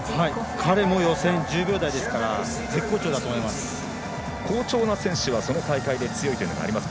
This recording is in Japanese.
彼も予選１０秒台ですので絶好調だと思います。